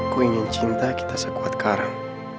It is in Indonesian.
ku ingin cinta kita sekuat karam